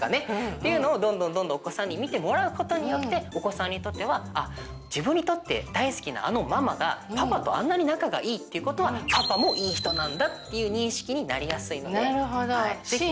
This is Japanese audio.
っていうのをどんどんどんどんお子さんに見てもらうことによってお子さんにとっては自分にとって大好きなあのママがパパとあんなに仲がいいっていうことはパパもいい人なんだっていう認識になりやすいので是非。